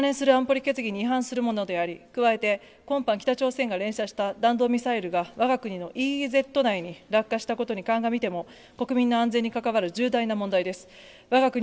関連する安保理決議に違反するものであり加えて今般、北朝鮮が連射した弾道ミサイルがわが国のＥＥＺ内に落下したことに鑑みても国民の安全に関わる重大な問題です。